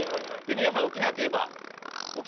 皆さん沖縄といえば。